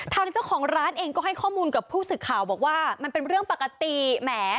ทางเจ้าของร้านเองก็ให้ข้อมูลกับผู้สื่อข่าวบอกว่ามันเป็นเรื่องปกติแหม